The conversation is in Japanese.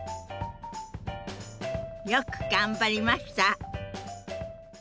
よく頑張りました！